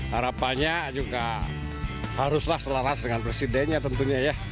harapannya juga haruslah selaras dengan presidennya tentunya ya